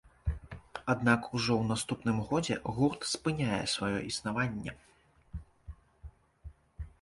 Аднак ужо ў наступным годзе гурт спыняе сваё існаванне.